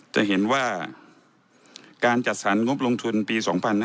จะเห็นว่าการจัดสรรงบลงทุนปี๒๕๕๙